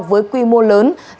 với quy mô lớn